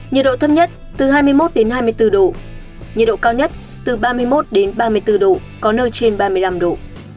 nhiệt độ thấp nhất từ hai mươi một hai mươi bốn độ nhiệt độ cao nhất từ ba mươi một ba mươi bốn độ có nơi trên ba mươi năm độ